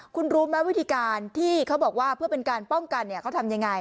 คุณรู้ไหมวิธีการที่เขาบอกว่าเพื่อเป็นการป้องกันเขาทำยังไง